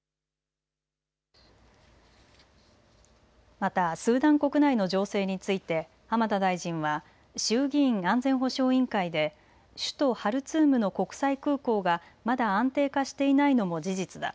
またスーダン国内の情勢について浜田大臣は衆議院安全保障委員会で首都ハルツームの国際空港がまだ安定化していないのも事実だ。